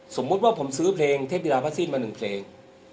สมมุติว่าผมซื้อเพลงเทพีราพสิทธิ์มาหนึ่งเพลง